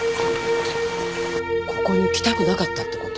ここに来たくなかったってこと？